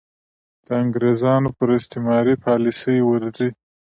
د انګرېزانو پر استعماري پالیسۍ ورځي.